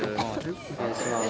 お願いします。